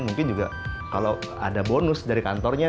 mungkin juga kalau ada bonus dari kantornya